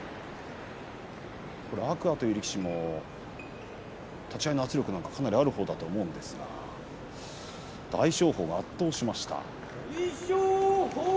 天空海という力士も立ち合いの圧力はかなり、あるほうなんですけど大翔鵬が圧倒しました。